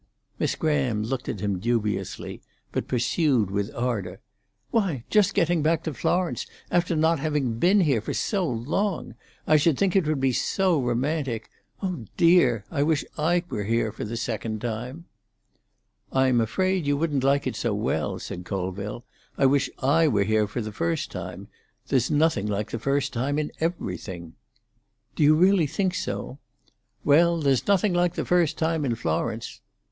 Miss Graham looked at him dubiously, but pursued with ardour: "Why, just getting back to Florence, after not having been here for so long—I should think it would be so romantic. Oh dear! I wish I were here for the second time." "I'm afraid you wouldn't like it so well," said Colville. "I wish I were here for the first time. There's nothing like the first time in everything." "Do you really think so?" "Well, there's nothing like the first time in Florence."